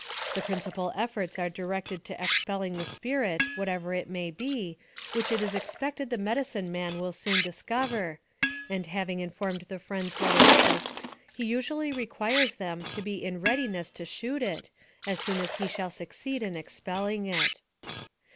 The principal efforts are directed to expelling the spirit, whatever it may be, which it is expected the medicine man will soon discover, and having informed the friends what it is, he usually requires them to be in readiness to shoot it, as soon as he shall succeed in expelling it.